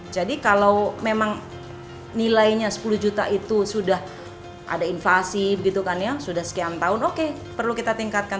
jadi kalau memang nilainya sepuluh juta itu sudah ada invasi gitu kan ya sudah sekian tahun oke perlu kita tingkatkan